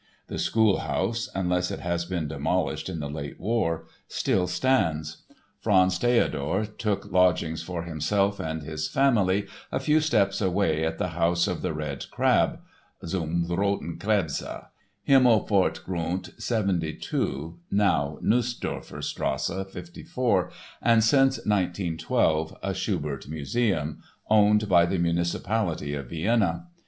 The schoolhouse (unless it has been demolished in the late war) still stands. Franz Theodor took lodgings for himself and his family a few steps away at the House of the Red Crab (Zum rothen Krebse), Himmelpfortgrund 72, now Nussdorfer Strasse 54 and since 1912 a Schubert museum, owned by the municipality of Vienna.